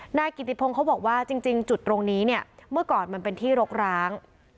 นายกิติพงศ์เขาบอกว่าจริงจุดตรงนี้เนี่ยเมื่อก่อนมันเป็นที่รกร้าง